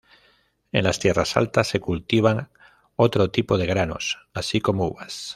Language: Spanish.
En las tierras altas se cultivan otro tipo de granos, así como uvas.